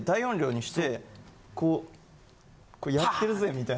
こう「やってるぜ！」みたいな。